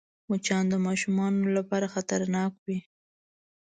مچان د ماشومانو لپاره خطرناک وي